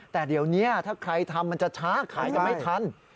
แต่เดี๋ยวนี้ถ้าใครทำมันจะช้าขายกันไม่ทัน